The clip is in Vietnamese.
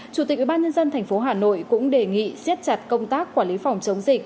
chủ tịch ubnd tp hà nội cũng đề nghị siết chặt công tác quản lý phòng chống dịch